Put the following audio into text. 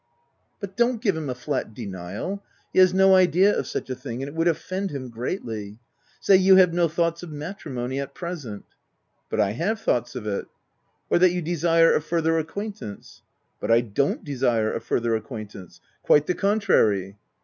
" But don't give him a flat denial ; he has no idea of such a thing, and it would offend him greatly : say you have no thoughts of matrimony, at present —"" But I have thoughts of it." " Or that you desire a further acquaintance." " But I don't desire a further acquaintance — quite the contrary."